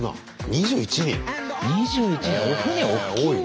２１人船おっきいんだ。